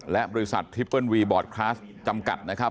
และบริษัททริปเปิ้ลวีบอร์ดคลาสจำกัดนะครับ